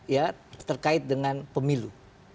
ya terkait dengan pemilu